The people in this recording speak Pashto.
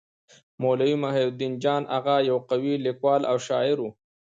مولوي محی الدين جان اغا يو قوي لیکوال او شاعر وو.